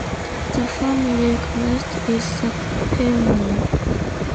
The family crest is the peony.